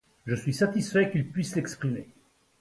Je suis satisfait qu'il puisse l'exprimer.